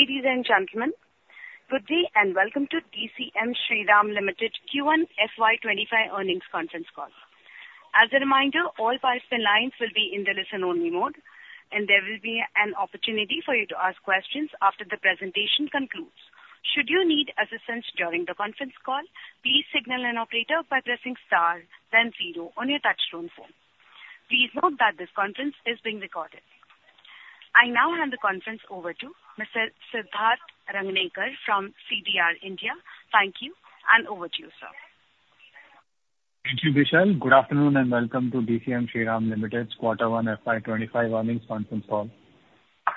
Ladies and gentlemen, good day, and welcome to DCM Shriram Limited Q1 FY25 earnings conference call. As a reminder, all participant lines will be in the listen-only mode, and there will be an opportunity for you to ask questions after the presentation concludes. Should you need assistance during the conference call, please signal an operator by pressing star then zero on your touchtone phone. Please note that this conference is being recorded. I now hand the conference over to Mr. Siddharth Rangnekar from CDR India. Thank you, and over to you, sir. Thank you, Vishal. Good afternoon, and welcome to DCM Shriram Limited's Q1 FY25 earnings conference call.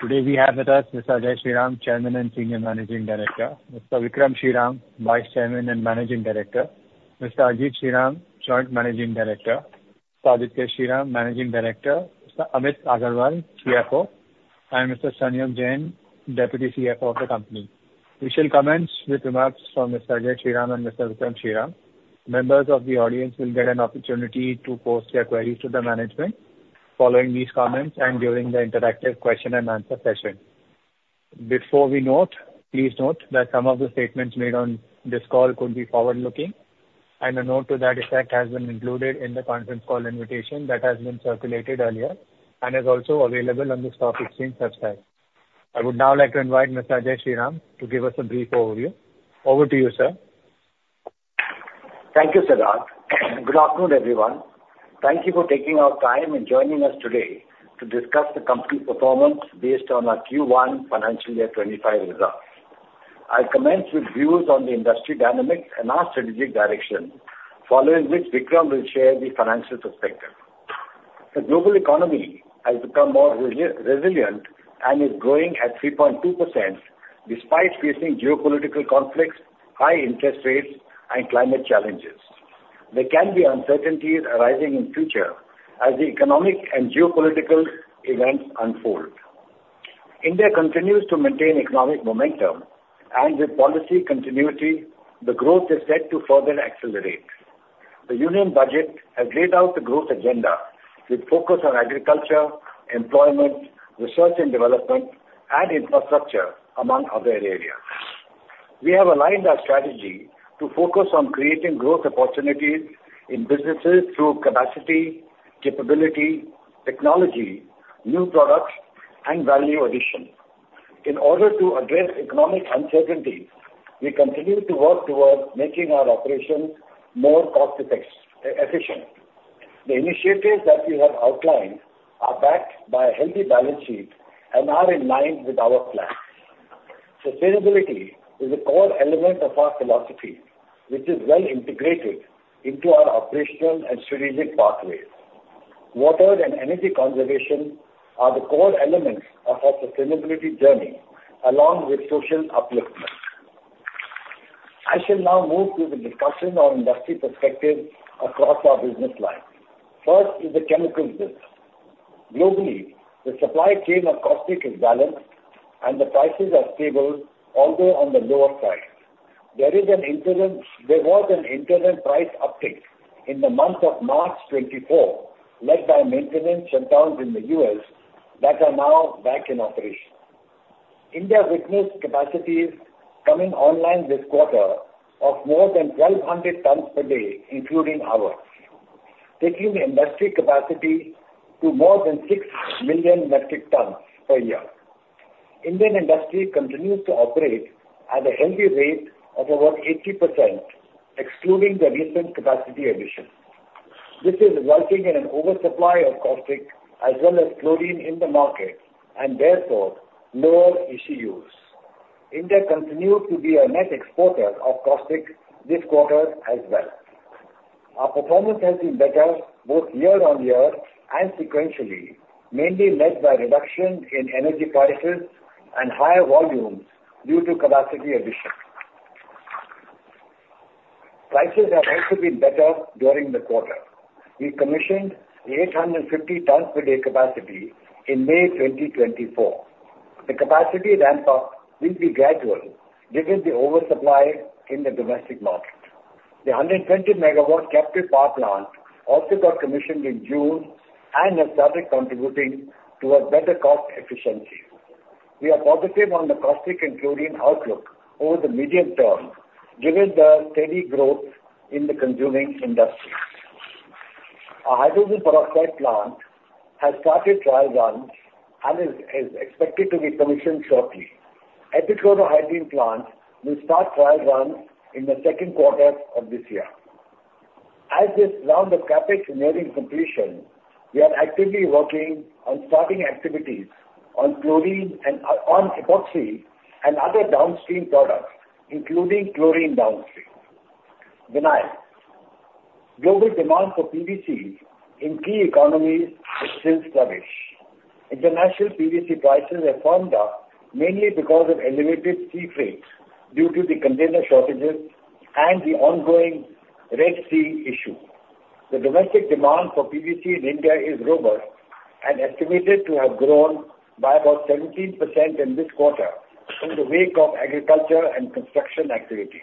Today, we have with us Mr. Ajay Shriram, Chairman and Senior Managing Director, Mr. Vikram Shriram, Vice Chairman and Managing Director, Mr. Ajit Shriram, Joint Managing Director, Mr. Aditya Shriram, Managing Director, Mr. Amit Agarwal, CFO, and Mr. Sanyog Jain, Deputy CFO of the company. We shall commence with remarks from Mr. Ajay Shriram and Mr. Vikram Shriram. Members of the audience will get an opportunity to post their queries to the management following these comments and during the interactive question and answer session. Before we note, please note that some of the statements made on this call could be forward-looking, and a note to that effect has been included in the conference call invitation that has been circulated earlier and is also available on the stock exchange website. I would now like to invite Mr. Ajay Shriram to give us a brief overview. Over to you, sir. Thank you, Siddharth. Good afternoon, everyone. Thank you for taking out time and joining us today to discuss the company's performance based on our Q1 financial year 25 results. I'll commence with views on the industry dynamics and our strategic direction, following which Vikram will share the financial perspective. The global economy has become more resilient and is growing at 3.2% despite facing geopolitical conflicts, high interest rates, and climate challenges. There can be uncertainties arising in future as the economic and geopolitical events unfold. India continues to maintain economic momentum, and with policy continuity, the growth is set to further accelerate. The Union Budget has laid out the growth agenda with focus on agriculture, employment, research and development, and infrastructure, among other areas. We have aligned our strategy to focus on creating growth opportunities in businesses through capacity, capability, technology, new products, and value addition. In order to address economic uncertainties, we continue to work towards making our operations more cost-effective, efficient. The initiatives that we have outlined are backed by a healthy balance sheet and are in line with our plan. Sustainability is a core element of our philosophy, which is well integrated into our operational and strategic pathways. Water and energy conservation are the core elements of our sustainability journey, along with social upliftment. I shall now move to the discussion on industry perspective across our business lines. First is the chemical business. Globally, the supply chain of caustic is balanced, and the prices are stable, although on the lower side. There was an interim price uptick in the month of March 2024, led by maintenance shutdowns in the U.S. that are now back in operation. India witnessed capacities coming online this quarter of more than 1,200 tonnes per day, including ours, taking the industry capacity to more than 6 million metric tonnes per year. Indian industry continues to operate at a healthy rate of about 80%, excluding the recent capacity addition. This is resulting in an oversupply of caustic as well as chlorine in the market and therefore lower ECU. India continues to be a net exporter of caustic this quarter as well. Our performance has been better both year-on-year and sequentially, mainly led by reduction in energy prices and higher volumes due to capacity addition. Prices have also been better during the quarter. We commissioned the 850 tonnes per day capacity in May 2024. The capacity ramp up will be gradual, given the oversupply in the domestic market. The 120 MW captive power plant also got commissioned in June and has started contributing to a better cost efficiency. We are positive on the caustic and chlorine outlook over the medium term, given the steady growth in the consuming industry. Our hydrogen peroxide plant has started trial runs and is expected to be commissioned shortly. Epichlorohydrin plant will start trial run in the second quarter of this year. As this round of CapEx is nearing completion, we are actively working on starting activities on chlorine and on epoxy and other downstream products, including chlorine downstream. Vinyl. Global demand for PVC in key economies is still sluggish. International PVC prices have firmed up mainly because of elevated sea freight due to the container shortages and the ongoing Red Sea issue. The domestic demand for PVC in India is robust and estimated to have grown by about 17% in this quarter in the wake of agriculture and construction activity.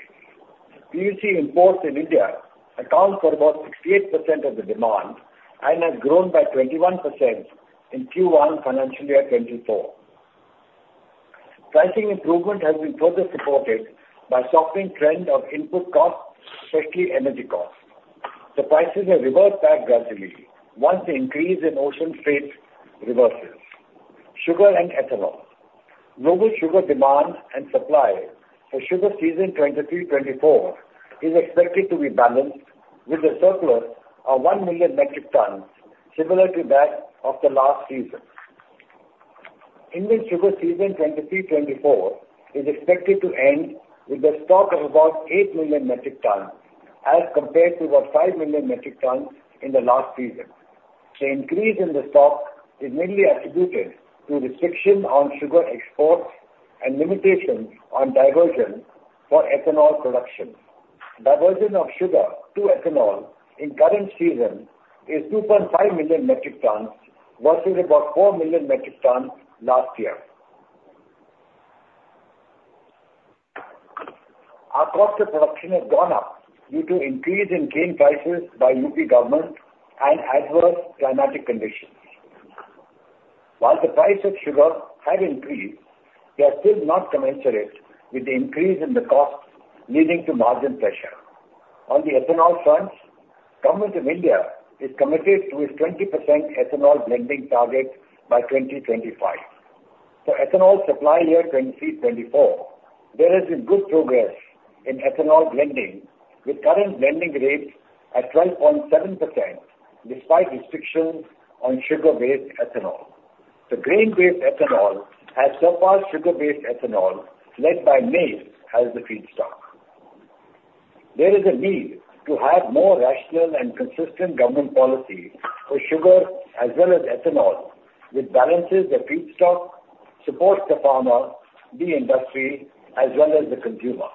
PVC imports in India account for about 68% of the demand and has grown by 21% in Q1 financial year 2024. Pricing improvement has been further supported by softening trend of input costs, especially energy costs. The prices have reversed back gradually once the increase in ocean freight reverses. Sugar and ethanol. Global sugar demand and supply for sugar season 2023-24 is expected to be balanced with a surplus of 1 million metric tons, similar to that of the last season. Indian sugar season 2023-24 is expected to end with a stock of about 8 million metric tons, as compared to about 5 million metric tons in the last season. The increase in the stock is mainly attributed to restriction on sugar exports and limitations on diversion for ethanol production. Diversion of sugar to ethanol in current season is 2.5 million metric tons versus about 4 million metric tons last year. Our cost of production has gone up due to increase in cane prices by UP government and adverse climatic conditions. While the price of sugar had increased, they are still not commensurate with the increase in the costs, leading to margin pressure. On the ethanol front, Government of India is committed to its 20% ethanol blending target by 2025. For ethanol supply year 2023-24, there has been good progress in ethanol blending, with current blending rates at 12.7%, despite restrictions on sugar-based ethanol. The grain-based ethanol has surpassed sugar-based ethanol, led by maize as the feedstock. There is a need to have more rational and consistent government policy for sugar as well as ethanol, which balances the feedstock, supports the farmer, the industry, as well as the consumer.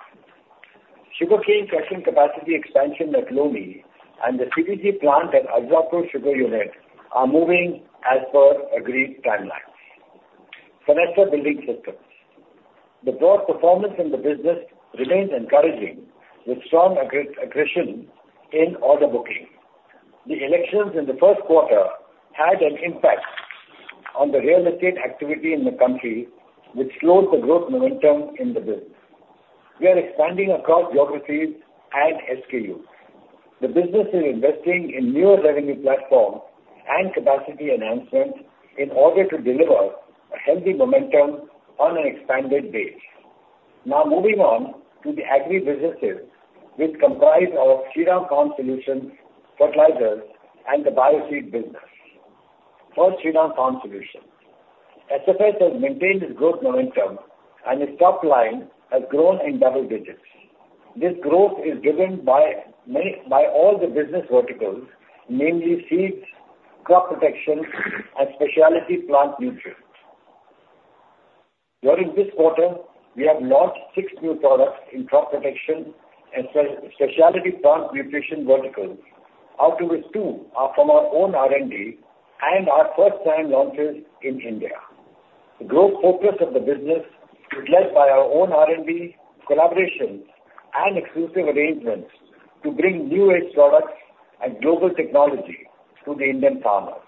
Sugarcane crushing capacity expansion at Loni and the CBG plant at Ajbapur Sugar Unit are moving as per agreed timelines. Fenesta Building Systems. The broad performance in the business remains encouraging, with strong aggression in order booking. The elections in the first quarter had an impact on the real estate activity in the country, which slowed the growth momentum in the business. We are expanding across geographies and SKUs. The business is investing in newer revenue platforms and capacity enhancements in order to deliver a healthy momentum on an expanded base. Now moving on to the agri businesses, which comprise of Shriram Farm Solutions, fertilizers, and the Bioseed business. First, Shriram Farm Solutions. SFS has maintained its growth momentum, and its top line has grown in double digits. This growth is driven by all the business verticals, namely seeds, crop protection, and specialty plant nutrients. During this quarter, we have launched six new products in crop protection and specialty plant nutrition verticals, out of which two are from our own R&D and are first-time launches in India. The growth focus of the business is led by our own R&D collaborations and exclusive arrangements to bring new age products and global technology to the Indian farmers.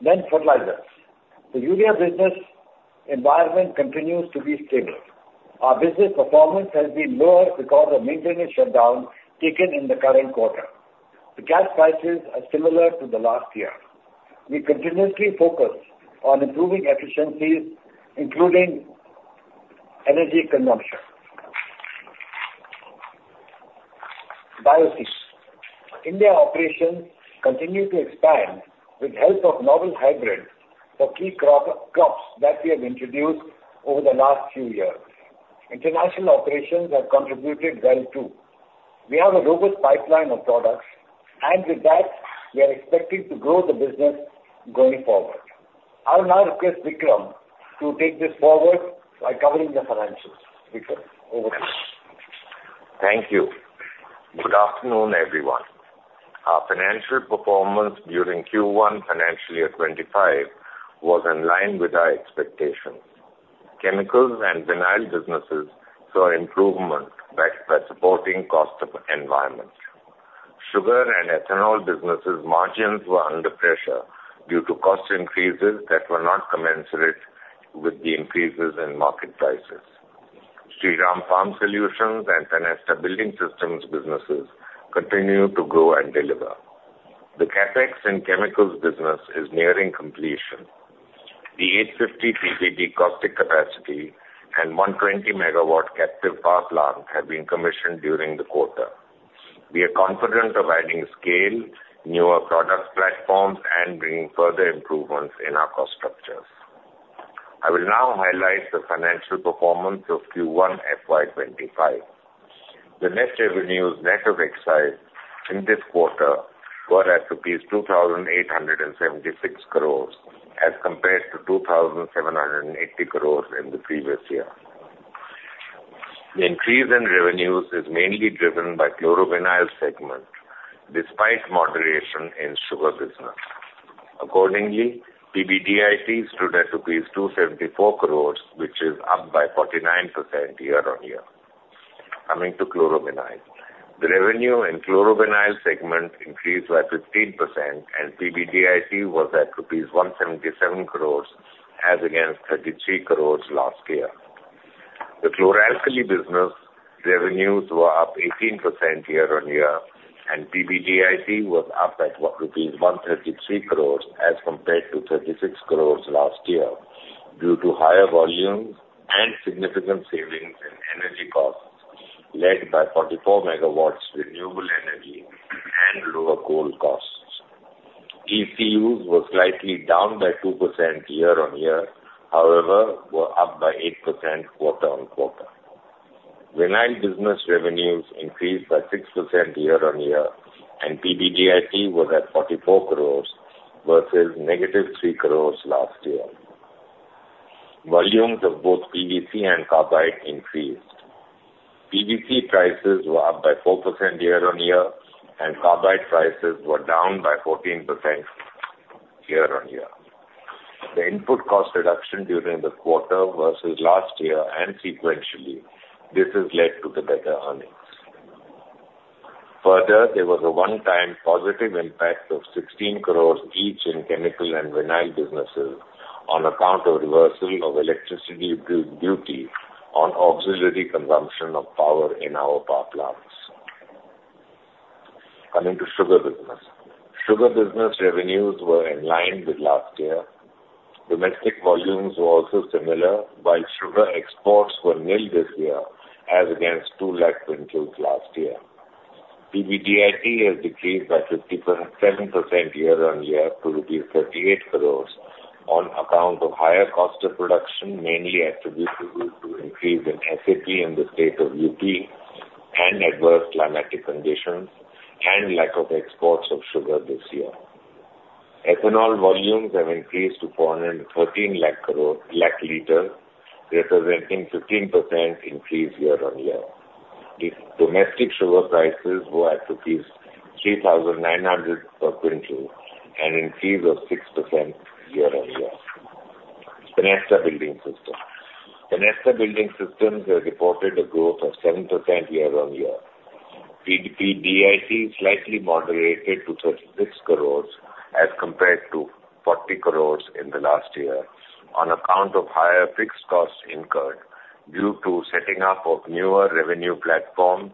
Then, fertilizers. The urea business environment continues to be stable. Our business performance has been lower because of maintenance shutdown taken in the current quarter. The gas prices are similar to the last year. We continuously focus on improving efficiencies, including energy consumption. Bioseed. India operations continue to expand with help of novel hybrids for key crop, crops that we have introduced over the last few years. International operations have contributed well, too. We have a robust pipeline of products, and with that, we are expecting to grow the business going forward. I will now request Vikram to take this forward by covering the financials. Vikram, over to you. Thank you. Good afternoon, everyone. Our financial performance during Q1 financial year 25 was in line with our expectations. Chemicals and vinyl businesses saw improvement by a supportive cost environment. Sugar and ethanol businesses' margins were under pressure due to cost increases that were not commensurate with the increases in market prices. Shriram Farm Solutions and Fenesta Building Systems businesses continue to grow and deliver. The CapEx in chemicals business is nearing completion. The 850 TPD caustic capacity and 120 MW captive power plant have been commissioned during the quarter. We are confident of adding scale, newer product platforms, and bringing further improvements in our cost structures. I will now highlight the financial performance of Q1 FY25. The net revenues, net of excise, in this quarter were rupees 2,876 crore as compared to 2,780 crore in the previous year. The increase in revenues is mainly driven by chlorovinyl segment despite moderation in sugar business. Accordingly, PBDIT stood at 274 crore, which is up by 49% year-on-year. Coming to chlorovinyl. The revenue in chlorovinyl segment increased by 15%, and PBDIT was at rupees 177 crore as against 33 crore last year. The chlor-alkali business revenues were up 18% year-on-year, and PBDIT was up at rupees 133 crore as compared to 36 crore last year due to higher volumes and significant savings in energy costs, led by 44 MW renewable energy and lower coal costs. ECU was slightly down by 2% year-on-year, however, were up by 8% quarter-on-quarter. Vinyl business revenues increased by 6% year-on-year, and PBDIT was at 44 crore versus -3 crore last year. Volumes of both PVC and carbide increased. PVC prices were up by 4% year-on-year, and carbide prices were down by 14% year-on-year. The input cost reduction during the quarter versus last year and sequentially, this has led to the better earnings. Further, there was a one-time positive impact of 16 crore each in chemical and vinyl businesses on account of reversal of electricity duty on auxiliary consumption of power in our power plants. Coming to sugar business. Sugar business revenues were in line with last year. Domestic volumes were also similar, while sugar exports were nil this year as against 200,000 quintals last year. PBDIT has decreased by 57% year-on-year to rupees 38 crores on account of higher cost of production, mainly attributable to increase in SAP in the state of UP and adverse climatic conditions and lack of exports of sugar this year. Ethanol volumes have increased to 413 lakh liters, representing 15% increase year-on-year. The domestic sugar prices were at rupees 3,900 per quintal, an increase of 6% year-on-year. Fenesta Building Systems. Fenesta Building Systems has reported a growth of 7% year-on-year. PBDIT slightly moderated to 36 crores as compared to 40 crores in the last year on account of higher fixed costs incurred due to setting up of newer revenue platforms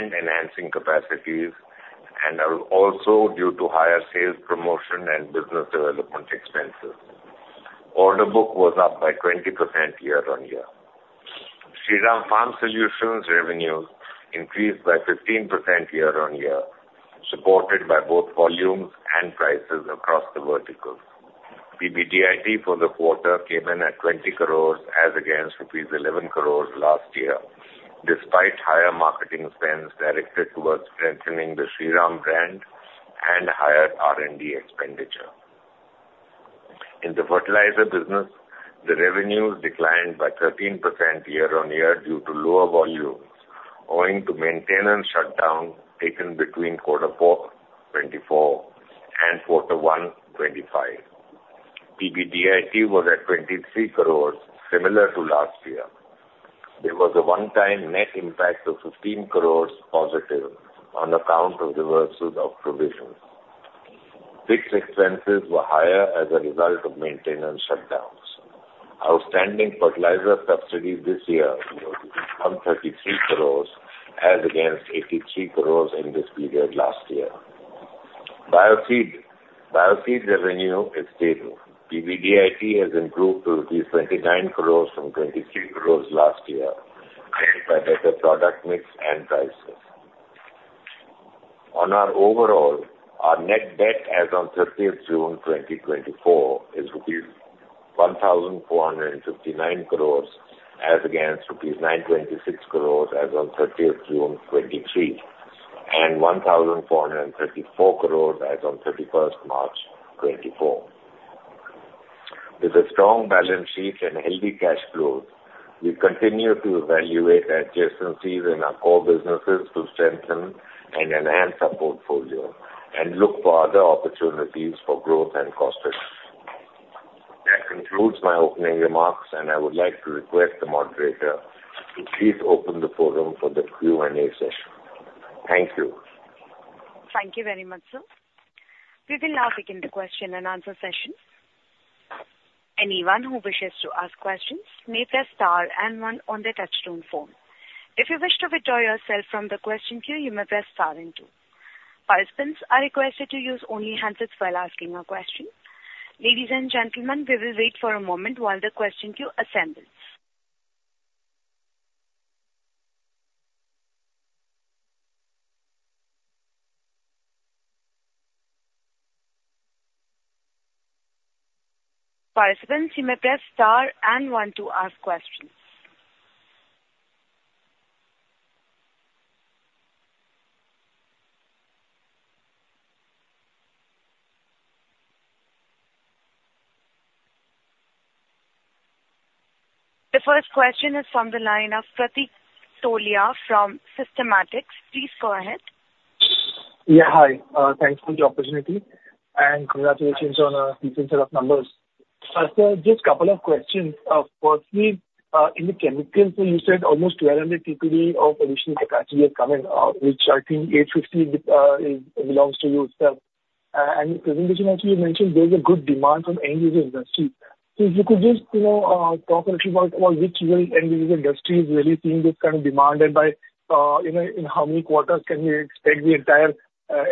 and enhancing capacities, and also due to higher sales promotion and business development expenses. Order book was up by 20% year-on-year. Shriram Farm Solutions revenues increased by 15% year-on-year, supported by both volumes and prices across the verticals. PBDIT for the quarter came in at 20 crore as against rupees 11 crore last year, despite higher marketing spends directed towards strengthening the Shriram brand and higher R&D expenditure. In the fertilizer business, the revenues declined by 13% year-on-year due to lower volumes, owing to maintenance shutdown taken between quarter four 2024 and quarter one 2025. PBDIT was at 23 crore, similar to last year. There was a one-time net impact of 15 crore positive on account of reversals of provisions. Fixed expenses were higher as a result of maintenance shutdowns. Outstanding fertilizer subsidies this year were 133 crore, as against 83 crore in this period last year. Bioseed. Bioseed's revenue is stable. PBDIT has improved to 29 crores from 23 crores last year by better product mix and prices. On our overall, our net debt as on thirtieth June 2024 is rupees 1,459 crores, as against rupees 926 crores as on thirtieth June 2023, and 1,434 crores as on thirty-first March 2024. With a strong balance sheet and healthy cash flows, we continue to evaluate adjacencies in our core businesses to strengthen and enhance our portfolio and look for other opportunities for growth and cost savings. That concludes my opening remarks, and I would like to request the moderator to please open the forum for the Q&A session. Thank you. Thank you very much, sir. We will now begin the question and answer session. Anyone who wishes to ask questions may press star and one on their touchtone phone. If you wish to withdraw yourself from the question queue, you may press star and two. Participants are requested to use only handsets while asking a question. Ladies and gentlemen, we will wait for a moment while the question queue assembles. Participants, you may press star and one to ask questions. The first question is from the line of Pratik Tholiya from Systematix. Please go ahead. Yeah, hi. Thanks for the opportunity, and congratulations on a decent set of numbers. So just a couple of questions. Firstly, in the chemicals, so you said almost 200 TPD of additional capacity has come in, which I think 850 is belongs to you itself. And in the presentation, actually, you mentioned there is a good demand from end user industry. So if you could just, you know, talk a little about which end user industry is really seeing this kind of demand, and by, you know, in how many quarters can we expect the entire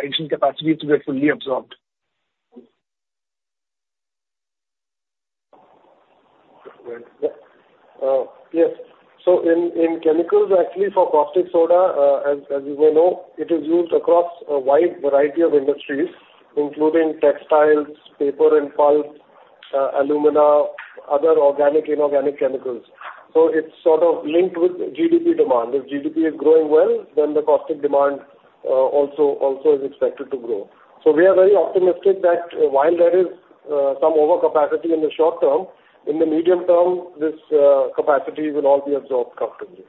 additional capacity to get fully absorbed? Yes. So in chemicals, actually, for caustic soda, as you well know, it is used across a wide variety of industries, including textiles, paper and pulp, alumina, other organic, inorganic chemicals. So it's sort of linked with GDP demand. If GDP is growing well, then the caustic demand also is expected to grow. So we are very optimistic that while there is some overcapacity in the short term, in the medium term, this capacity will all be absorbed comfortably.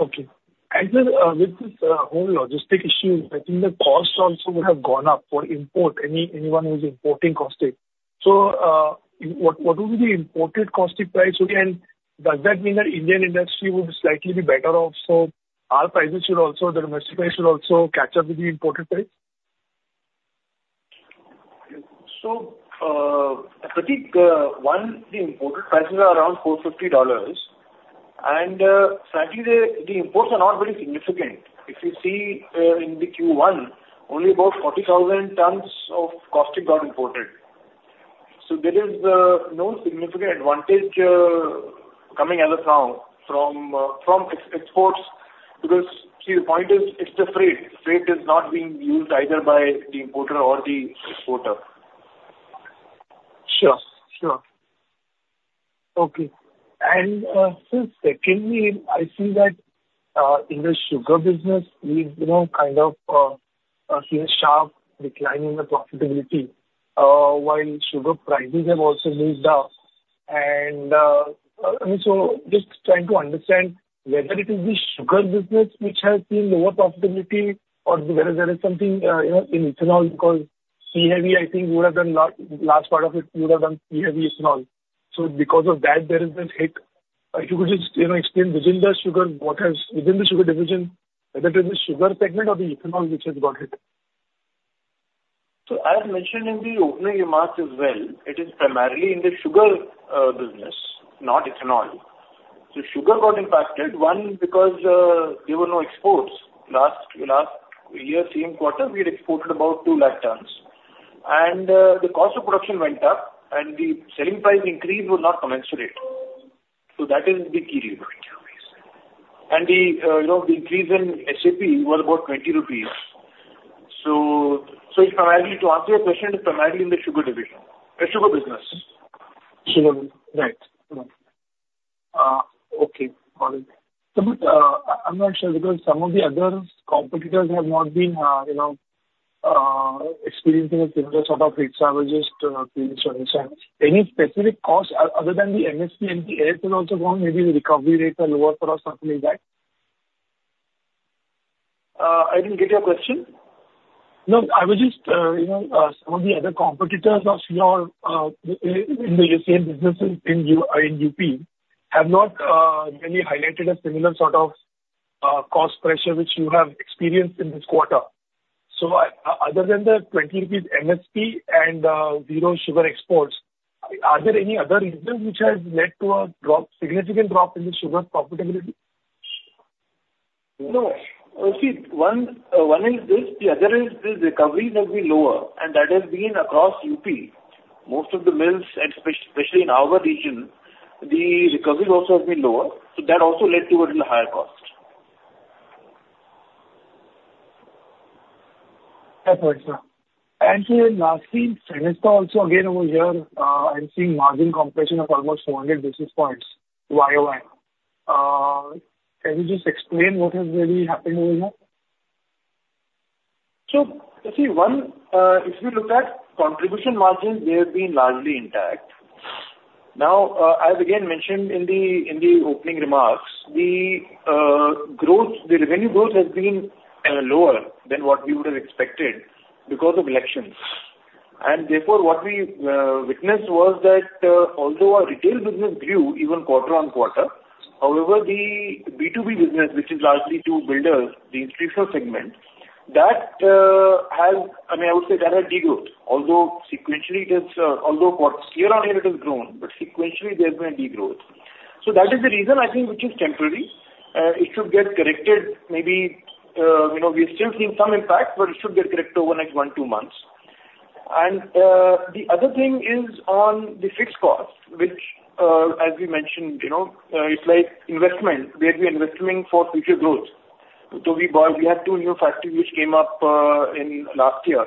Okay. Actually, with this whole logistics issue, I think the cost also would have gone up for import, anyone who's importing caustic. So, what would be the imported caustic price again? Does that mean that Indian industry would slightly be better off, so our prices should also, the domestic price should also catch up with the imported price? So, Pratik, one, the imported prices are around $450, and, frankly, the, the imports are not very significant. If you see, in the Q1, only about 40,000 tons of caustic got imported. So there is, no significant advantage, coming as of now from, from exports, because see, the point is, it's the freight. Freight is not being used either by the importer or the exporter. Sure. Sure. Okay. And, sir, secondly, I see that, in the sugar business, we've, you know, kind of, seen a sharp decline in the profitability, while sugar prices have also moved up. And, I mean, so just trying to understand whether it is the sugar business which has seen lower profitability or whether there is something, you know, in ethanol, because C heavy, I think, would have been last part of it would have been C heavy ethanol. So because of that, there is this hit. If you could just, you know, explain within the sugar, what has... Within the sugar division, whether it is the sugar segment or the ethanol which has got hit. So as mentioned in the opening remarks as well, it is primarily in the sugar business, not ethanol. So sugar got impacted, one, because there were no exports. Last year, same quarter, we had exported about 200,000 tons. And the cost of production went up, and the selling price increase was not commensurate. So that is the key reason. And the, you know, the increase in SAP was about 20 rupees. So it's primarily, to answer your question, it's primarily in the sugar division, the sugar business. Sugar. Right. Okay. Got it. So but, I'm not sure, because some of the other competitors have not been, you know, experiencing a similar sort of mix. I was just pretty sure. Any specific costs other than the MSP and the FRP have also gone, maybe the recovery rates are lower, or something like that? I didn't get your question. No, I was just, you know, some of the other competitors of, you know, in the same businesses in UP, have not really highlighted a similar sort of cost pressure which you have experienced in this quarter. So other than the 20 rupees MSP and zero sugar exports, are there any other reasons which has led to a drop, significant drop in the sugar profitability? See, one is this, the other is this recovery has been lower, and that has been across UP. Most of the mills, and especially in our region, the recovery also has been lower, so that also led to a little higher cost. That's right, sir. Lastly, Fenesta also again over here, I'm seeing margin compression of almost 400 basis points, YOY. Can you just explain what has really happened over here? So see, one, if you look at contribution margins, they have been largely intact. Now, I've again mentioned in the, in the opening remarks, the, growth, the revenue growth has been, lower than what we would have expected because of elections. And therefore, what we, witnessed was that, although our retail business grew even quarter-on-quarter, however, the B2B business, which is largely to builders, the institutional segment, that, has, I mean, I would say that has degrown. Although sequentially it has, although year-on-year it has grown, but sequentially there's been a degrowth. So that is the reason I think, which is temporary. It should get corrected maybe, you know, we're still seeing some impact, but it should get corrected over the next one, two months. The other thing is on the fixed cost, which, as we mentioned, you know, it's like investment. We have been investing for future growth. So we bought, we had two new factories which came up in last year,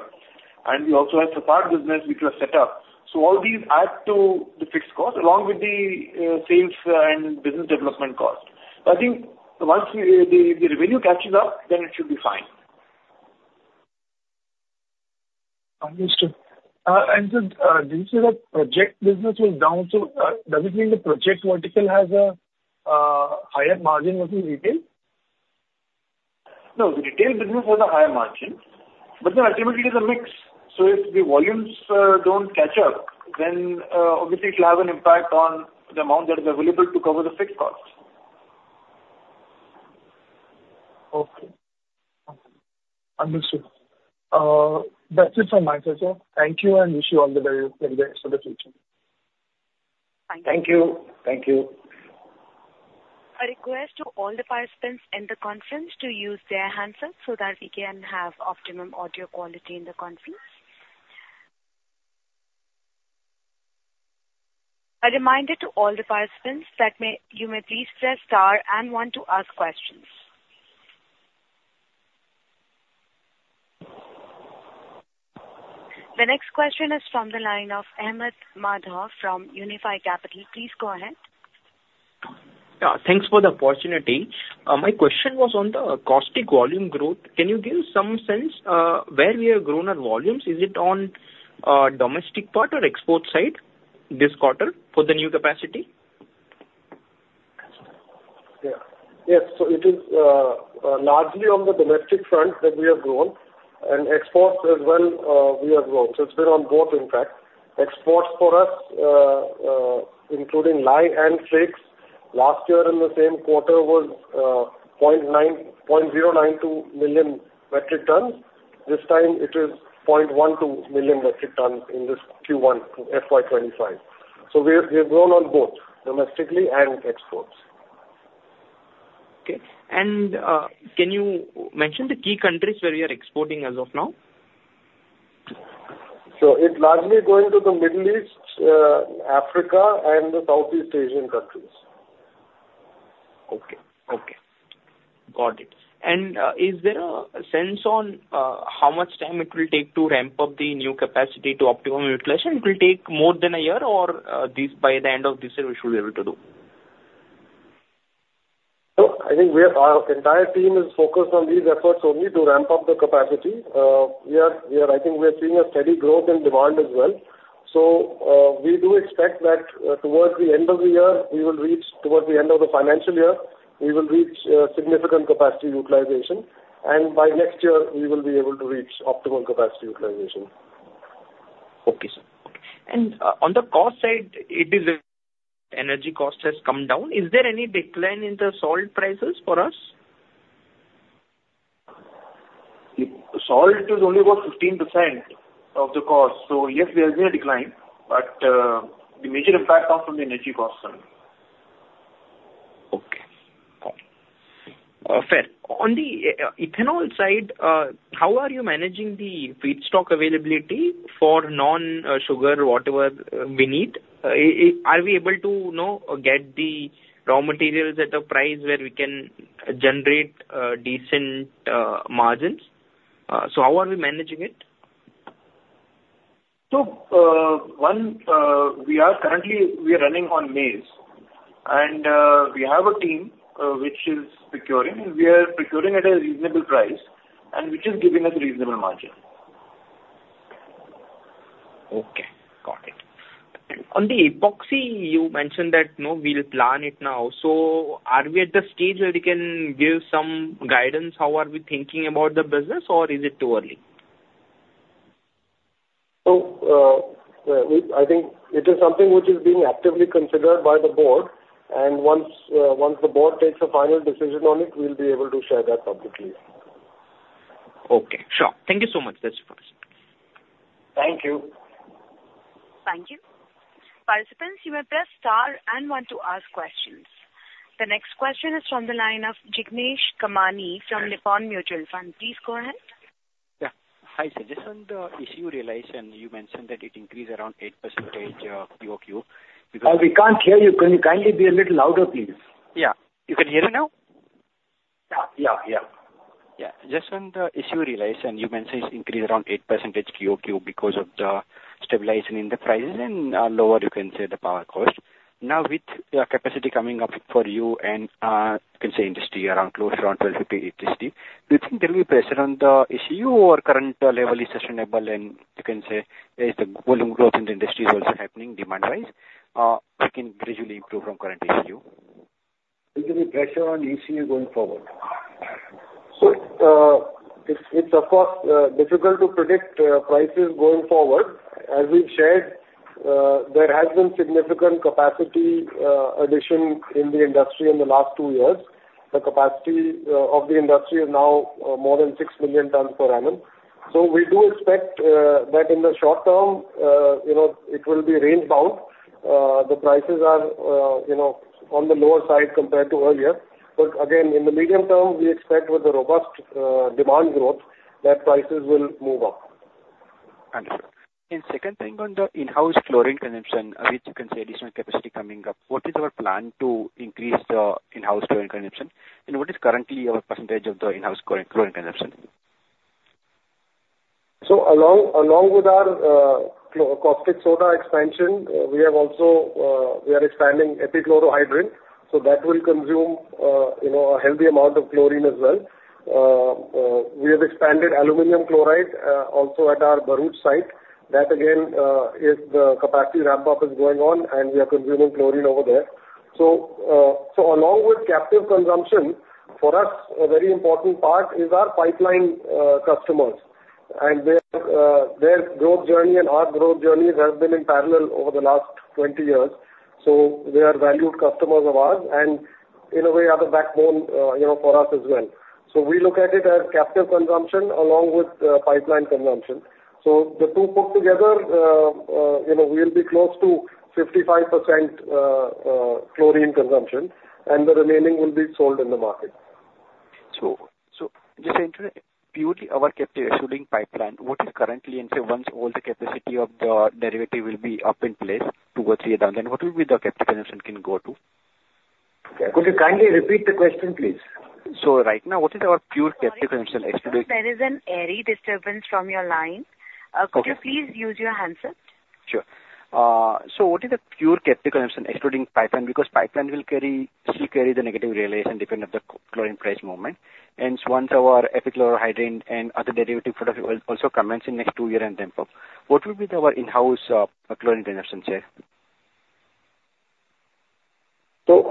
and we also had sugar business which was set up. So all these add to the fixed cost along with the sales and business development cost. I think once we, the revenue catches up, then it should be fine.... Understood. And so, did you say that project business was down, so, does it mean the project vertical has a higher margin than retail? No, the retail business was a higher margin, but then ultimately it is a mix. So if the volumes don't catch up, then obviously it will have an impact on the amount that is available to cover the fixed cost. Okay. Understood. That's it from my side, sir. Thank you, and wish you all the very best for the future. Thank you. Thank you. A request to all the participants in the conference to use their handsets so that we can have optimum audio quality in the conference. A reminder to all the participants, you may please press star and one to ask questions. The next question is from the line of Aman Madhav from Unifi Capital. Please go ahead. Yeah, thanks for the opportunity. My question was on the caustic volume growth. Can you give some sense, where we have grown our volumes? Is it on, domestic part or export side, this quarter, for the new capacity? Yeah. Yes, so it is, largely on the domestic front that we have grown, and exports as well, we have grown. So it's been on both, in fact. Exports for us, including lye and flakes, last year in the same quarter was, 0.92 million metric tons. This time it is 0.12 million metric tons in this Q1 FY25. So we have, we have grown on both domestically and exports. Okay. And, can you mention the key countries where we are exporting as of now? It's largely going to the Middle East, Africa, and the Southeast Asian countries. Okay. Okay. Got it. And, is there a sense on, how much time it will take to ramp up the new capacity to optimum utilization? It will take more than a year, or by the end of this year, we should be able to do? Look, I think we are, our entire team is focused on these efforts only to ramp up the capacity. We are, I think we are seeing a steady growth in demand as well. So, we do expect that, towards the end of the year, we will reach... towards the end of the financial year, we will reach, significant capacity utilization, and by next year, we will be able to reach optimal capacity utilization. Okay, sir. Okay. And, on the cost side, it is energy cost has come down. Is there any decline in the salt prices for us? Salt is only about 15% of the cost. So yes, there has been a decline, but, the major impact comes from the energy cost center. Okay. Fair. On the ethanol side, how are you managing the feedstock availability for non-sugar, whatever we need? Are we able to, you know, get the raw materials at a price where we can generate decent margins? So how are we managing it? One, we are currently running on maize, and we have a team which is procuring. We are procuring at a reasonable price and which is giving us reasonable margin. Okay, got it. On the epoxy, you mentioned that, you know, we'll plan it now. So are we at the stage where we can give some guidance, how are we thinking about the business, or is it too early? So, we, I think it is something which is being actively considered by the board, and once the board takes a final decision on it, we'll be able to share that publicly. Okay, sure. Thank you so much. That's it for us. Thank you. Thank you. Participants, you may press star and one to ask questions. The next question is from the line of Jignesh Kamani from Nippon Mutual Fund. Please go ahead. Yeah. Hi, sir. Just on the issue realization, you mentioned that it increased around 8%, QoQ. We can't hear you. Can you kindly be a little louder, please? Yeah. You can hear me now? Yeah, yeah, yeah. Yeah. Just on the issue realization, you mentioned it increased around 8% QoQ because of the stabilization in the prices and, lower, you can say, the power cost. Now, with the capacity coming up for you and, you can say, industry around closer on 1,250 TPD, do you think there will be pressure on the ECU or current level is sustainable and you can say, as the volume growth in the industry is also happening demand-wise, it can gradually improve from current ECU? Will there be pressure on ECU going forward? So, it's, of course, difficult to predict, prices going forward. As we've shared, there has been significant capacity, addition in the industry in the last two years. The capacity, of the industry is now, more than 6 million tons per annum. So we do expect, that in the short term, you know, it will be range bound. The prices are, you know, on the lower side compared to earlier. But again, in the medium term, we expect with the robust, demand growth, that prices will move up. Understood. And second thing, on the in-house chlorine consumption, which you can say additional capacity coming up, what is our plan to increase the in-house chlorine consumption? And what is currently our percentage of the in-house chlorine, chlorine consumption? So along with our caustic soda expansion, we have also, we are expanding epichlorohydrin, so that will consume, you know, a healthy amount of chlorine as well. We have expanded aluminum chloride, also at our Bharuch site. That again, is the capacity ramp up is going on, and we are consuming chlorine over there. So, so along with captive consumption, for us, a very important part is our pipeline customers, and their, their growth journey and our growth journey has been in parallel over the last 20 years. So they are valued customers of ours and in a way are the backbone, you know, for us as well. So we look at it as captive consumption along with pipeline consumption. So the two put together, you know, we will be close to 55% chlorine consumption, and the remaining will be sold in the market. So, just to enter, purely our captive excluding pipeline, what is currently, and say, once all the capacity of the derivative will be up in place towards the end, then what will be the captive consumption can go to? Could you kindly repeat the question, please? So right now, what is our pure captive consumption excluding- Sir, there is an audio disturbance from your line. Okay. Could you please use your handset? Sure. So what is the pure captive consumption excluding pipeline? Because pipeline will carry, still carry the negative realization depending of the chlorine price movement. And once our epichlorohydrin and other derivative product will also commence in next two year and then above, what will be our in-house chlorine consumption, sir? In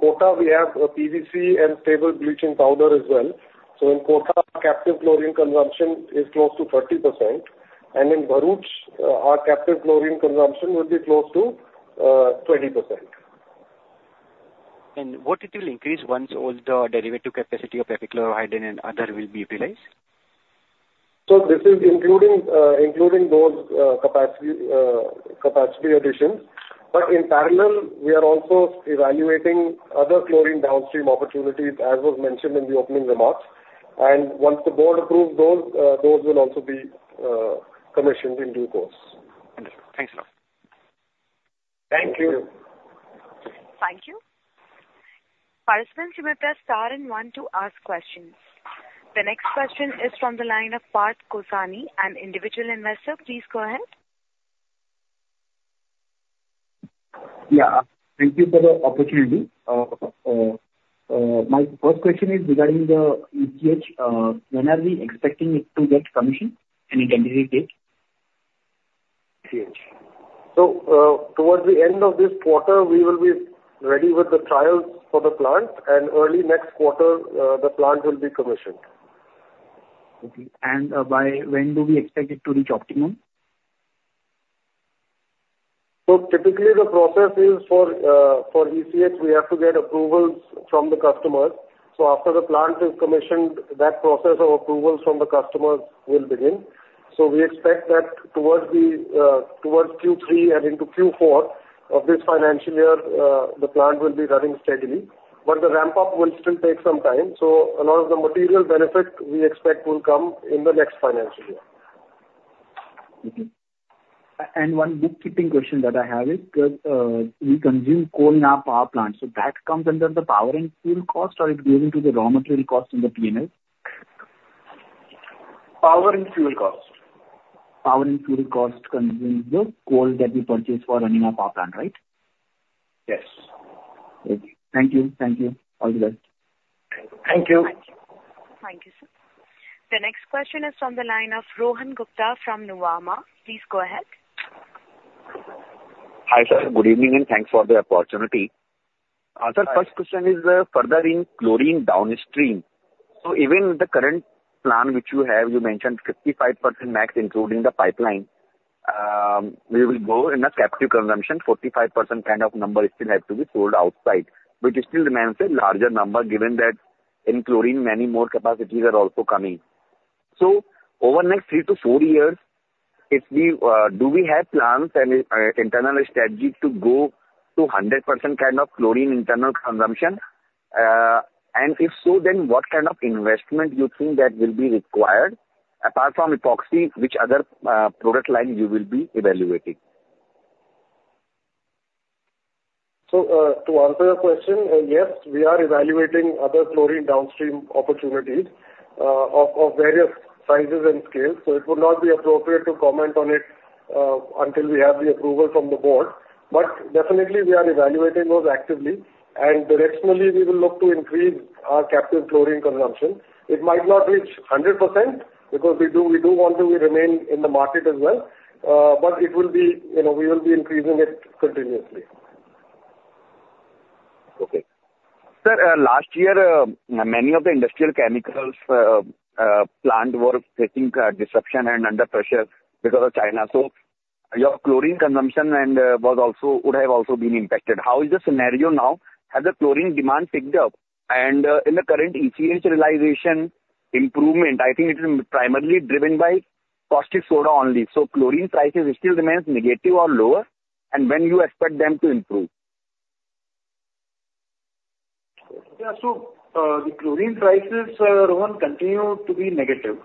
Kota, we have a PVC and stable bleaching powder as well. So in Kota, captive chlorine consumption is close to 30%, and in Bharuch, our captive chlorine consumption will be close to 20%. What it will increase once all the derivative capacity of Epichlorohydrin and other will be utilized? This is including those capacity additions. But in parallel, we are also evaluating other chlorine downstream opportunities, as was mentioned in the opening remarks. Once the board approves those, those will also be commissioned in due course. Understood. Thanks a lot. Thank you. Thank you. Participants, you may press star and one to ask questions. The next question is from the line of Parth Vasani, an individual investor. Please go ahead. Yeah, thank you for the opportunity. My first question is regarding the ECH. When are we expecting it to get commissioned, any tentative date? ECH. So, towards the end of this quarter, we will be ready with the trials for the plant, and early next quarter, the plant will be commissioned. Okay. And by when do we expect it to reach optimum? So typically, the process is for ECH, we have to get approvals from the customers. So after the plant is commissioned, that process of approvals from the customers will begin. So we expect that towards Q3 and into Q4 of this financial year, the plant will be running steadily, but the ramp up will still take some time. So a lot of the material benefit we expect will come in the next financial year. Okay. And one bookkeeping question that I have is, you consume coal in our power plant, so that comes under the power and fuel cost, or it goes into the raw material cost in the P&L? Power and fuel cost. Power and fuel cost contains the coal that we purchase for running our power plant, right? Yes. Okay. Thank you. Thank you. All the best. Thank you. Thank you, sir. The next question is from the line of Rohan Gupta from Nuvama. Please go ahead. Hi, sir, good evening, and thanks for the opportunity. Hi. Sir, first question is, further in chlorine downstream. So even the current plan which you have, you mentioned 55% max, including the pipeline, we will go in a captive consumption, 45% kind of number still has to be sold outside, which still remains a larger number, given that in chlorine, many more capacities are also coming. So over next 3 to 4 years, if we, do we have plans and, internal strategy to go to 100% kind of chlorine internal consumption? And if so, then what kind of investment you think that will be required? Apart from Epoxy, which other, product line you will be evaluating? So, to answer your question, yes, we are evaluating other chlorine downstream opportunities of various sizes and scales, so it would not be appropriate to comment on it until we have the approval from the board. But definitely, we are evaluating those actively, and directionally we will look to increase our captive chlorine consumption. It might not reach 100%, because we do, we do want to remain in the market as well, but it will be, you know, we will be increasing it continuously. Okay. Sir, last year, many of the industrial chemicals plant were facing disruption and under pressure because of China. So your chlorine consumption and was also would have also been impacted. How is the scenario now? Has the chlorine demand picked up? And, in the current ECH realization improvement, I think it is primarily driven by caustic soda only. So chlorine prices still remains negative or lower, and when you expect them to improve? Yeah, so, the chlorine prices, Rohan, continue to be negative.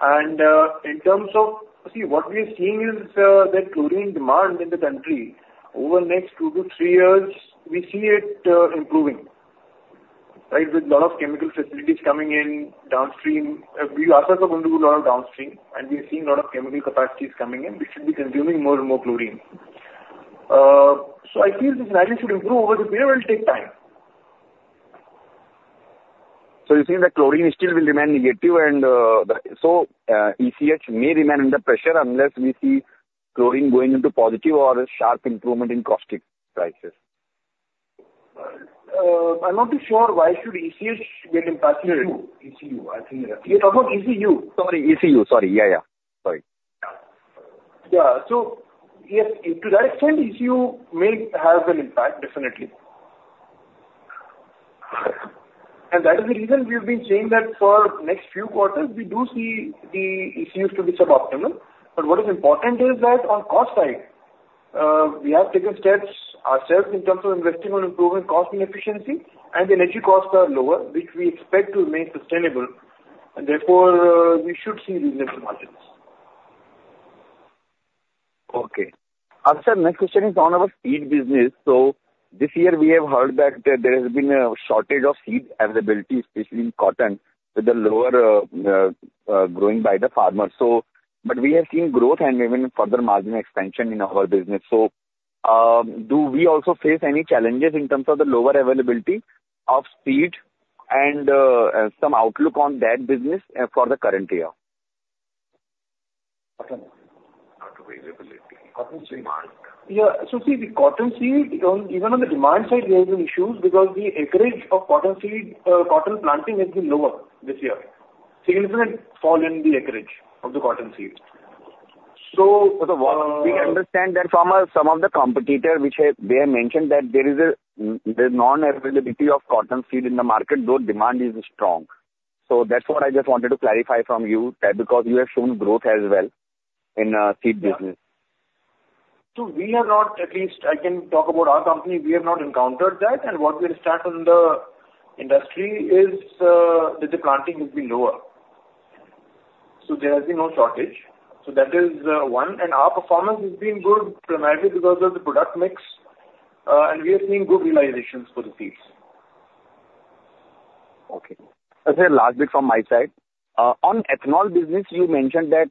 And, in terms of... See, what we are seeing is, that chlorine demand in the country over the next 2-3 years, we see it, improving, right? With lot of chemical facilities coming in downstream, we are also going to do a lot of downstream, and we are seeing a lot of chemical capacities coming in, which will be consuming more and more chlorine. So, I feel this margin should improve over the period will take time. So you're saying that chlorine still will remain negative, and ECH may remain under pressure unless we see chlorine going into positive or a sharp improvement in caustic prices? I'm not too sure why should ECH get impacted? ECU, ECU, I think. You're talking about ECU. Sorry, ECU. Sorry. Yeah, yeah. Sorry. Yeah. So yes, to that extent, ECU may have an impact, definitely. And that is the reason we have been saying that for next few quarters, we do see the ECUs to be suboptimal. But what is important is that on cost side, we have taken steps ourselves in terms of investing on improving cost and efficiency, and the energy costs are lower, which we expect to remain sustainable, and therefore, we should see reasonable margins. Okay. Actually, my next question is on our seed business. So this year we have heard that there has been a shortage of seed availability, especially in cotton, with the lower growing by the farmers. So but we have seen growth and even further margin expansion in our business. So, do we also face any challenges in terms of the lower availability of seed and some outlook on that business for the current year? Availability. Cotton seed market. Yeah. So see, the cotton seed, even on the demand side, there has been issues because the acreage of cotton seed, cotton planting has been lower this year. Significant fall in the acreage of the cotton seed. So, We understand that from some of the competitors which have mentioned that there is the non-availability of cotton seed in the market, though demand is strong. So that's what I just wanted to clarify from you, that because you have shown growth as well in seed business. So we have not, at least I can talk about our company, we have not encountered that. And what we understand from the industry is that the planting has been lower. So there has been no shortage. So that is one. And our performance has been good, primarily because of the product mix, and we are seeing good realizations for the seeds. Okay. That's it largely from my side. On ethanol business, you mentioned that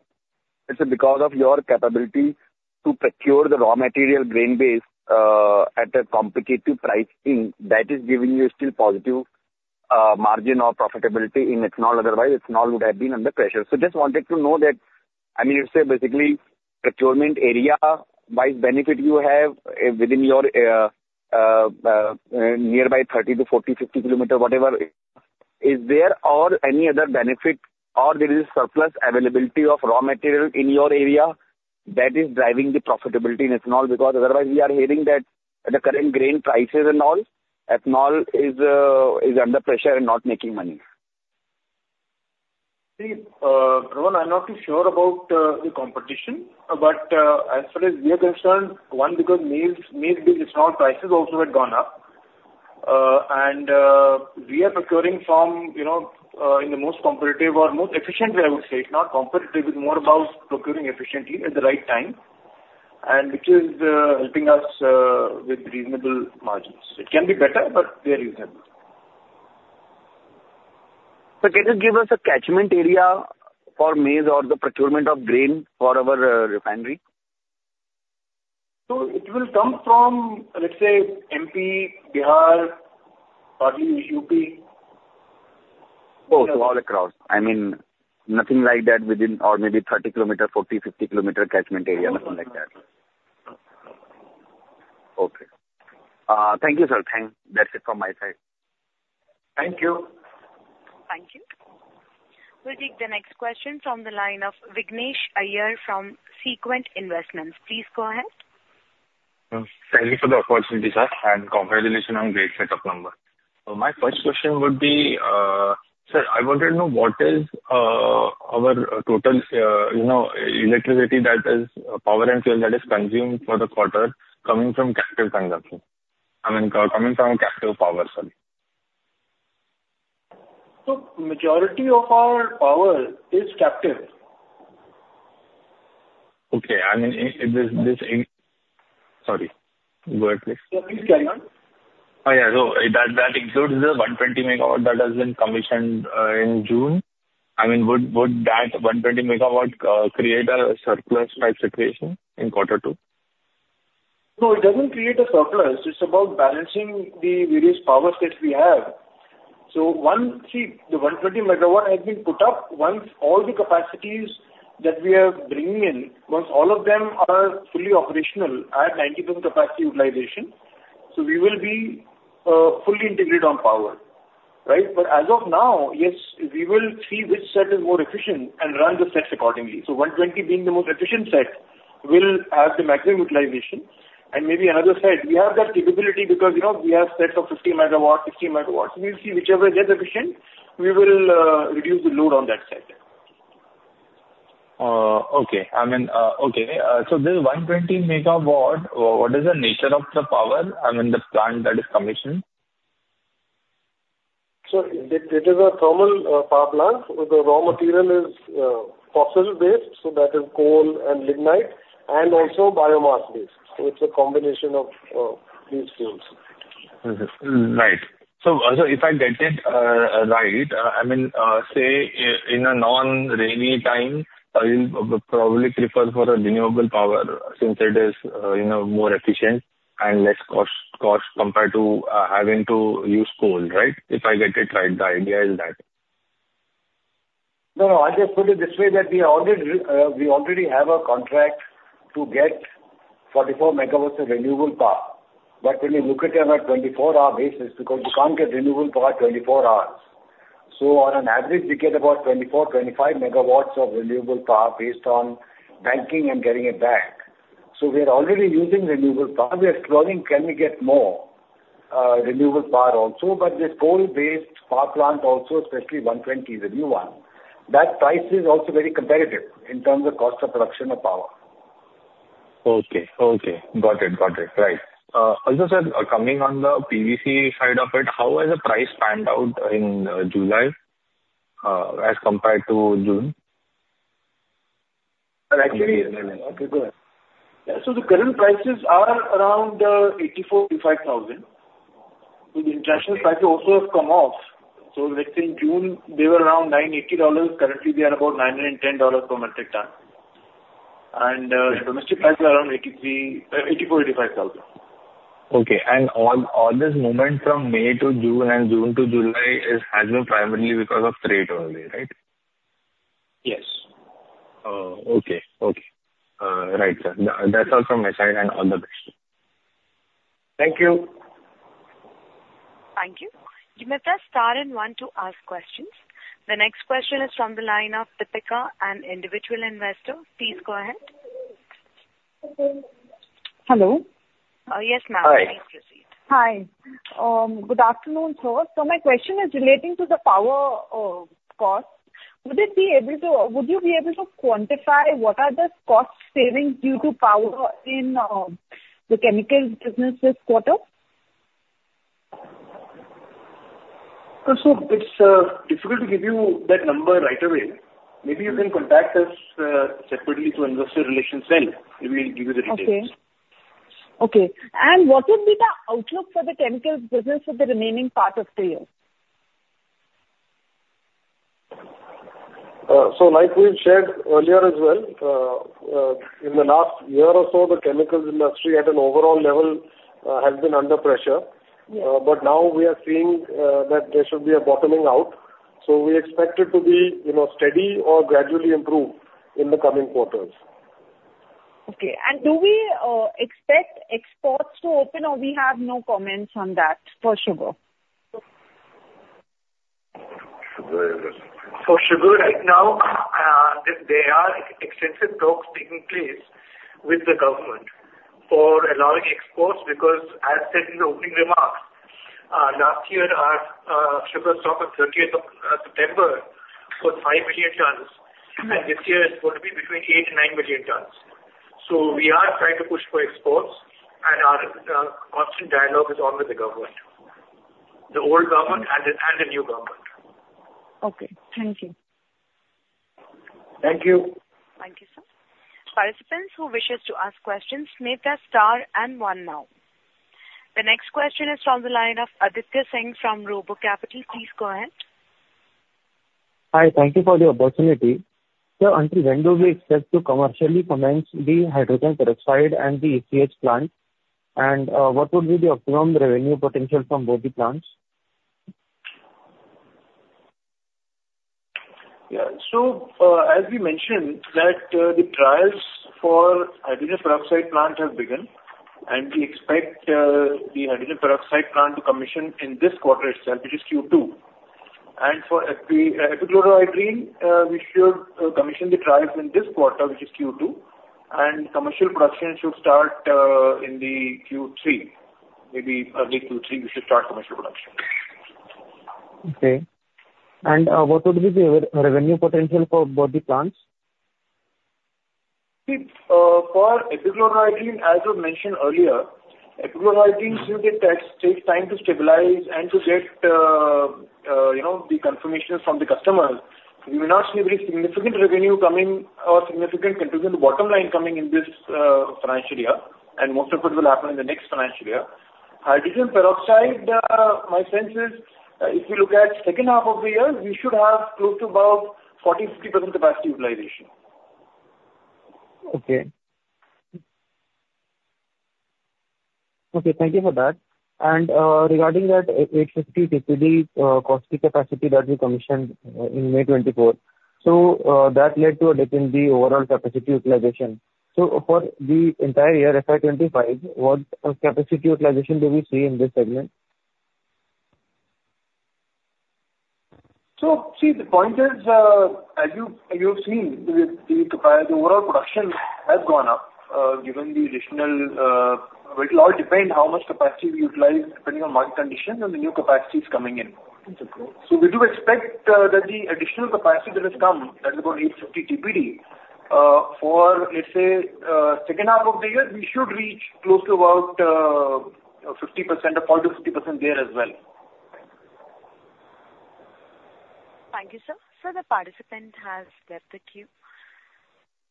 it's because of your capability to procure the raw material, grain base, at a competitive pricing that is giving you a still positive margin or profitability in ethanol. Otherwise, ethanol would have been under pressure. So just wanted to know that, I mean, you say basically procurement area wide benefit you have within your nearby 30-40, 50 km, whatever. Is there or any other benefit or there is surplus availability of raw material in your area that is driving the profitability in ethanol? Because otherwise we are hearing that the current grain prices and all, ethanol is under pressure and not making money. See, Rohan, I'm not too sure about the competition, but as far as we are concerned, because maize-based ethanol prices also had gone up. We are procuring from, you know, in the most competitive or most efficient way, I would say. It's not competitive, it's more about procuring efficiently at the right time, and which is helping us with reasonable margins. It can be better, but they are reasonable. So can you give us a catchment area for maize or the procurement of grain for our refinery? So it will come from, let's say, MP, Bihar, partly UP. Oh, so all across. I mean, nothing like that within or maybe 30 kilometer, 40, 50 kilometer catchment area, nothing like that? No. Okay. Thank you, sir. Thank you. That's it from my side. Thank you. Thank you. We'll take the next question from the line of Vignesh Iyer from Sequent Investments. Please go ahead. Thank you for the opportunity, sir, and congratulations on great set of numbers. So my first question would be, sir, I wanted to know what is our total, you know, electricity that is, power and fuel that is consumed for the quarter coming from captive consumption, I mean, coming from captive power, sorry. Majority of our power is captive. Okay. I mean... Sorry, go ahead, please. Sorry, say again. Oh, yeah. So that includes the 120 MW that has been commissioned in June? I mean, would that 120 MW create a surplus-type situation in quarter two? No, it doesn't create a surplus. It's about balancing the various power sets we have. So once we, the 120 MW has been put up, once all the capacities that we are bringing in, once all of them are fully operational at 90% capacity utilization, so we will be fully integrated on power, right? But as of now, yes, we will see which set is more efficient and run the sets accordingly. So 120 being the most efficient set, will have the maximum utilization. And maybe another set, we have that capability because, you know, we have sets of 50 MW, 15 MW. We'll see whichever is efficient, we will reduce the load on that set. Okay. I mean, so this 120 MW, what is the nature of the power, I mean, the plant that is commissioned? So it is a thermal power plant. The raw material is fossil-based, so that is coal and lignite, and also biomass-based. So it's a combination of these fuels.... Mm-hmm. Right. So also, if I get it right, I mean, say, in a non-rainy time, you'll probably prefer for a renewable power since it is, you know, more efficient and less cost compared to having to use coal, right? If I get it right, the idea is that. No, I'll just put it this way, that we already, we already have a contract to get 44 MW of renewable power. But when you look at it on a 24-hour basis, because you can't get renewable power 24 hours. So on an average, we get about 24, 25 MW of renewable power based on banking and getting it back. So we are already using renewable power. We are exploring, can we get more renewable power also? But the coal-based power plant also, especially 120, the new one, that price is also very competitive in terms of cost of production of power. Okay. Okay. Got it, got it. Right. Also, sir, coming on the PVC side of it, how has the price panned out in July, as compared to June? Actually- Okay, go ahead. So the current prices are around 84,000-85,000. The international prices also have come off. So let's say in June they were around $980. Currently, they are about $910 per metric ton. And domestic prices are around 83,000, 84,000, 85,000. Okay. And all, all this movement from May to June and June to July is, has been primarily because of trade only, right? Yes. Oh, okay. Okay. Right, sir. That's all from my side, and all the best. Thank you! Thank you. You may press star and one to ask questions. The next question is from the line of Dipika, an individual investor. Please go ahead. Hello? Yes, ma'am. Hi. Please proceed. Hi. Good afternoon, sir. So my question is relating to the power cost. Would you be able to quantify what are the cost savings due to power in the chemicals business this quarter? So it's difficult to give you that number right away. Maybe you can contact us separately through investor relations, and we will give you the details. Okay. Okay. And what would be the outlook for the chemicals business for the remaining part of the year? So, like we've shared earlier as well, in the last year or so, the chemicals industry at an overall level has been under pressure. Yeah. But now we are seeing that there should be a bottoming out, so we expect it to be, you know, steady or gradually improve in the coming quarters. Okay. And do we expect exports to open, or we have no comments on that for sugar? For sugar right now, there are extensive talks taking place with the government for allowing exports, because as said in the opening remarks, last year, our sugar stock on thirtieth of September was 5 million tons, and this year it's going to be between 8 and 9 million tons. So we are trying to push for exports, and our constant dialogue is on with the government, the old government and the new government. Okay. Thank you. Thank you. Thank you, sir. Participants who wish to ask questions may press star and one now. The next question is from the line of Aditya Sen from RoboCapital. Please go ahead. Hi. Thank you for the opportunity. Sir, until when do we expect to commercially commence the hydrogen peroxide and the ECH plant? And, what would be the optimum revenue potential from both the plants? Yeah. So, as we mentioned, the trials for hydrogen peroxide plant have begun, and we expect the hydrogen peroxide plant to commission in this quarter itself, which is Q2. And for epi, epichlorohydrin, we should commission the trials in this quarter, which is Q2, and commercial production should start in the Q3. Maybe early Q3, we should start commercial production. Okay. And, what would be the revenue potential for both the plants? See, for epichlorohydrin, as I mentioned earlier, epichlorohydrin, so it takes time to stabilize and to get, you know, the confirmations from the customers. We may not see very significant revenue coming or significant contribution to bottom line coming in this financial year, and most of it will happen in the next financial year. Hydrogen peroxide, my sense is, if you look at second half of the year, we should have close to about 40%-50% capacity utilization. Okay. Okay, thank you for that. And, regarding that 850 TPD caustic capacity that we commissioned in May 24, 2024, so, that led to a dip in the overall capacity utilization. So for the entire year, FY 25, what capacity utilization do we see in this segment? So, see, the point is, as you, you've seen, the overall production has gone up, given the additional... It'll all depend how much capacity we utilize, depending on market conditions and the new capacities coming in. Okay. So we do expect that the additional capacity that has come, that is about 850 TPD, for, let's say, second half of the year, we should reach close to about 50% or 40%-50% there as well.... Thank you, sir. So the participant has left the queue.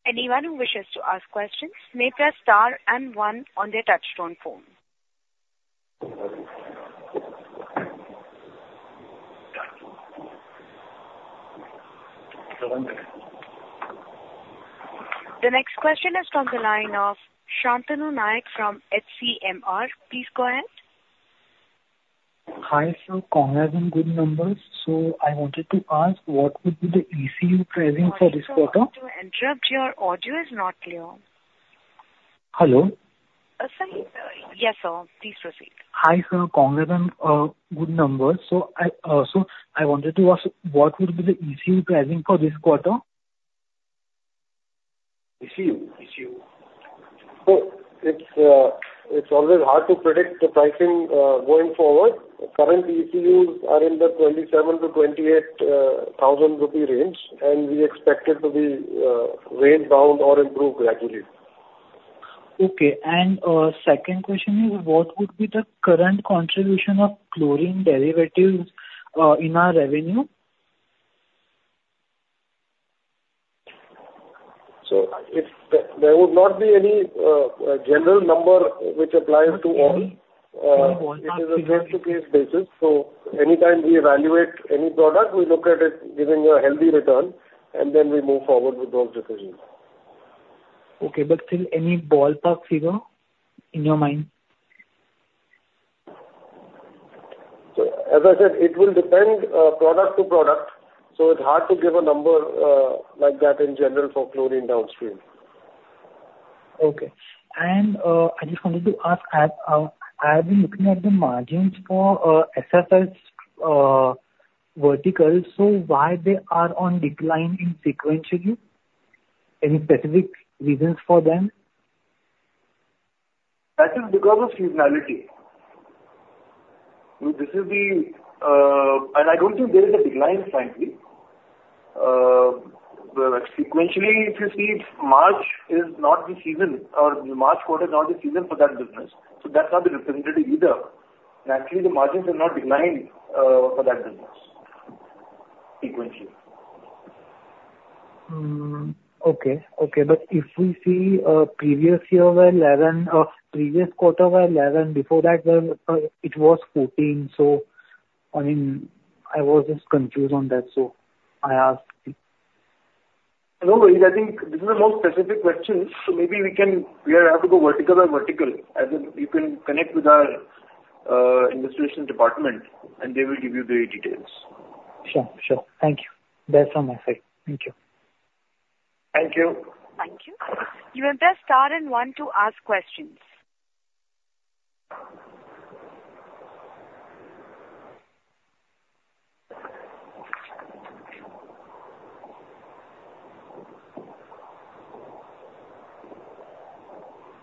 Anyone who wishes to ask questions, may press Star and One on their touchtone phone. The next question is from the line of Shantanu Naik from HDFC. Please go ahead. Hi, sir. Congrats on good numbers. I wanted to ask, what would be the ECU pricing for this quarter? Sorry to interrupt. Your audio is not clear. Hello? Sorry. Yes, sir. Please proceed. Hi, sir. Congrats on good numbers. So I wanted to ask, what would be the ECU pricing for this quarter? ECU, ECU. So it's always hard to predict the pricing going forward. Current ECUs are in the 27,000-28,000 rupee range, and we expect it to be range bound or improve gradually. Okay. Second question is, what would be the current contribution of chlorine derivatives in our revenue? So if there would not be any general number which applies to all. It is a case-to-case basis, so anytime we evaluate any product, we look at it giving a healthy return, and then we move forward with those decisions. Okay. But still, any ballpark figure in your mind? So as I said, it will depend, product to product, so it's hard to give a number, like that in general for chlorine downstream. Okay. And, I just wanted to ask, as, I have been looking at the margins for, SFS, verticals, so why they are on decline in sequentially? Any specific reasons for them? That is because of seasonality. And I don't think there is a decline, frankly. But sequentially, if you see, March is not the season or March quarter is not the season for that business, so that's not representative either. Naturally, the margins are not declined, for that business, sequentially. Hmm. Okay. Okay, but if we see, previous year were 11, previous quarter were 11, before that, it was 14. So, I mean, I was just confused on that, so I asked. No, I think these are more specific questions, so maybe we can... We have to go vertical by vertical. As in, you can connect with our Investor Relations department, and they will give you the details. Sure, sure. Thank you. That's from my side. Thank you. Thank you. Thank you. You may press Star and One to ask questions.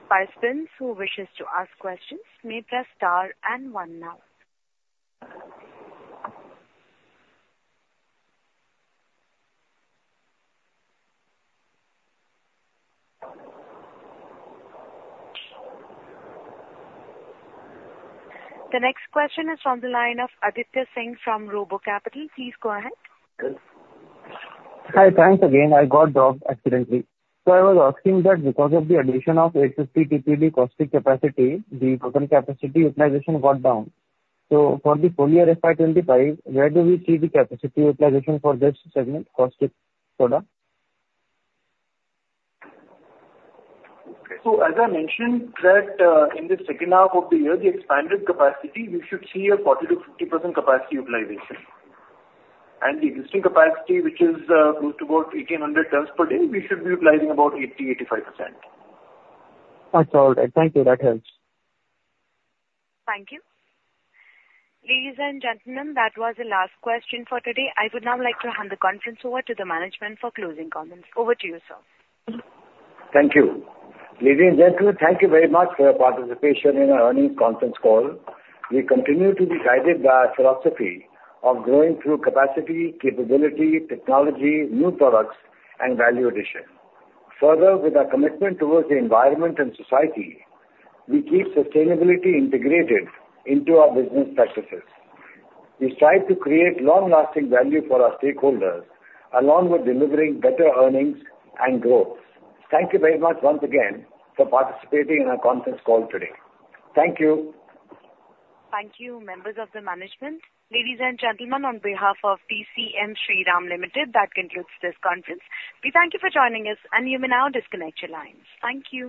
Participants who wish to ask questions may press Star and One now. The next question is from the line of Aditya Singh from Robo Capital. Please go ahead. Hi, thanks again. I got dropped accidentally. So I was asking that because of the addition of 850 TPD caustic capacity, the total capacity utilization got down. So for the full year FY25, where do we see the capacity utilization for this segment, caustic soda? So, as I mentioned, that, in the second half of the year, the expanded capacity, we should see a 40%-50% capacity utilization. The existing capacity, which is close to about 1,800 tons per day, we should be utilizing about 80%-85%. That's all right. Thank you. That helps. Thank you. Ladies and gentlemen, that was the last question for today. I would now like to hand the conference over to the management for closing comments. Over to you, sir. Thank you. Ladies and gentlemen, thank you very much for your participation in our earnings conference call. We continue to be guided by our philosophy of growing through capacity, capability, technology, new products and value addition. Further, with our commitment towards the environment and society, we keep sustainability integrated into our business practices. We strive to create long-lasting value for our stakeholders, along with delivering better earnings and growth. Thank you very much once again for participating in our conference call today. Thank you. Thank you, members of the management. Ladies and gentlemen, on behalf of DCM Shriram Limited, that concludes this conference. We thank you for joining us, and you may now disconnect your lines. Thank you.